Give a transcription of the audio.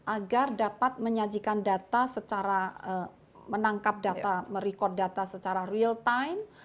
agar dapat menyajikan data secara menangkap data merecord data secara real time